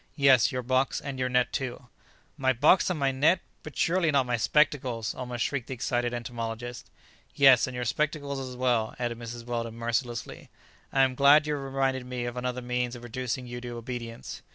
"Yes, your box and your net too!" "My box and my net! but surely not my spectacles!" almost shrieked the excited entomologist. "Yes, and your spectacles as well!" added Mrs. Weldon mercilessly; "I am glad you have reminded me of another means of reducing you to obedience!"